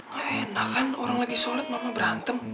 gak enak kan orang lagi solid mama berantem